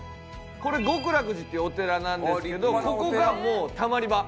これ極楽寺というお寺なんですけどここがもうたまり場。